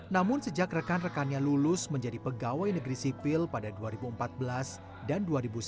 namun sejak rekan rekannya lulus menjadi pegawai negeri sipil pada dua ribu empat belas dan dua ribu sembilan belas